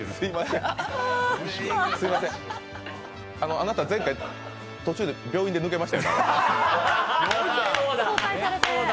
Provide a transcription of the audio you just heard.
あなた前回病院で途中で抜けましたよね。